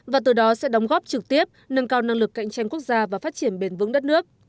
và từ đó sẽ đóng góp trực tiếp nâng cao năng lực cạnh tranh quốc gia và phát triển bền vững đất nước